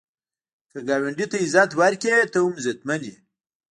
که ګاونډي ته عزت ورکړې، ته هم عزتمن یې